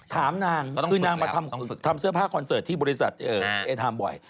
ถามนางคือนางมาทำเสื้อผ้าคอนเสิร์ตที่บริษัทเอทามบ่อย